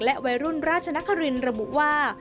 และวัยรุ่นราชนครินทร์ระบุว่า